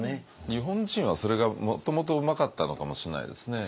日本人はそれがもともとうまかったのかもしれないですね。